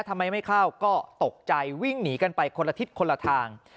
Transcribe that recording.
ทำไมไม่เข้าก็ตกใจวิ่งหนีกันไปคนละทิศคนละทาง